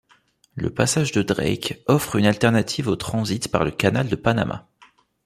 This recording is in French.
Le passage de Drake offre une alternative au transit par le canal de Panama.